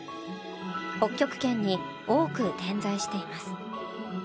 北極圏に多く点在しています。